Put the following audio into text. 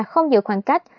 không giữ khoảng cách